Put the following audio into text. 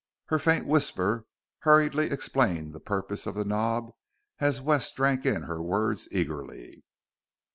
Her faint whisper hurriedly explained the purpose of the knob as Wes drank in her words eagerly.